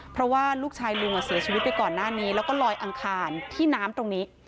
เพราะว่าลูกชายลุงเสียชีวิตไปก่อนหน้านี้แล้วก็ลอยอังคารที่น้ำตรงนี้